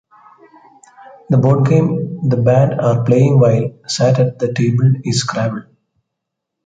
The board game the band are playing whilst sat at the table is Scrabble.